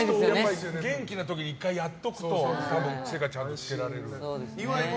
元気な時に１回やっておくと多分、癖がちゃんとつけられる。